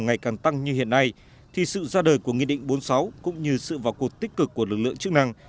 ngày càng tăng như hiện nay thì sự ra đời của nghị định bốn mươi sáu cũng như sự vào cuộc tích cực của lực lượng chức năng